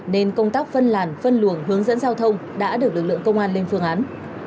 nên công tác phân làn phân luồng hướng dẫn giao thông đã được lực lượng công an lên phương án